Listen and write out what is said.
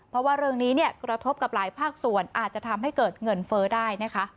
เพราะว่าเรื่องนี้กระทบกับหลายภาคส่วนอาจจะทำให้เกิดเงินเฟ้อได้นะคะ